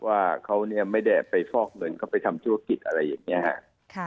ว่าเขาไม่ได้ไปฟอกเงินก็ไปทำช่วยติดอะไรอย่างนี้นะครับ